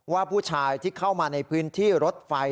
ว่าผู้ชายที่เข้ามาในพื้นที่รถไฟ